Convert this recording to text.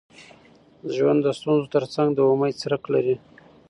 ژوند د ستونزو تر څنګ د امید څرک لري.